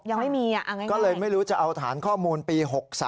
ยังไม่มีก็เลยไม่รู้จะเอาฐานข้อมูลปี๖๓